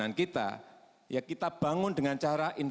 menurut saya ini uh tidak penting